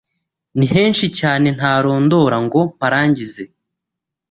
Nihenshi cyane ntarondora ngo mparangize